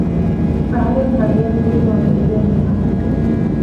އަހަރެން ހައްޔަރުކުރީމާ ބޭބެއަށް އިނާމު ލިބޭނެ